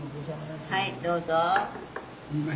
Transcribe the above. はいどうぞ。